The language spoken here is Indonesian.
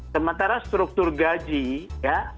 sementara struktur gaji ya